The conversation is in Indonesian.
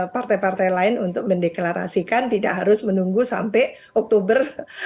partai partai lain untuk mendeklarasikan tidak harus menunggu sampai oktober dua ribu dua puluh tiga